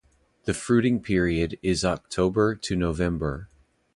The fruiting period is October to November.